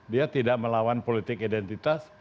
dia tidak melawan politik identitas